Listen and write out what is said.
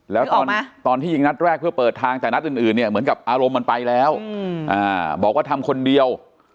แล้วตอนที่ยิงนัดแรกเพื่อเปิดทางแต่นัดอื่นเนี่ยเหมือนกับอารมณ์มันไปแล้วบอกว่าทำคนเดียว